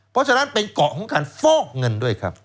เพราะฉะนั้นเป็นเกาะของการฟอกเงินด้วยครับ